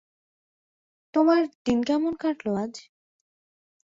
তোমার দিন কেমন কাটলো আজ?